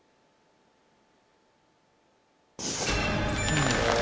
うん。